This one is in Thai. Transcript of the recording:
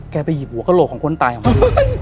ไปหยิบหัวกระโหลกของคนตายออกมาดู